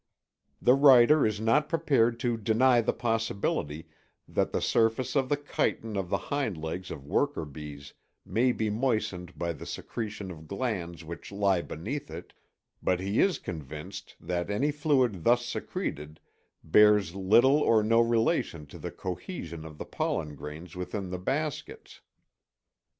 The writer is not prepared to deny the possibility that the surface of the chitin of the hind legs of worker bees may be moistened by the secretion of glands which lie beneath it, but he is convinced that any fluid thus secreted bears little or no relation to the cohesion of the pollen grains within the baskets.